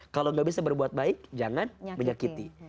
kalau gak bisa berbuat baik jangan menyakiti